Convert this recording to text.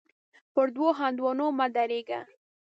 پر دوو هندوانو مه درېږه.